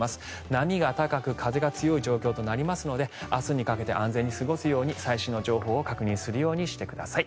波が高く風が強い状況となりますので明日にかけて安全に過ごすように最新情報を確認するようにしてください。